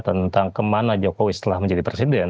tentang kemana jokowi setelah menjadi presiden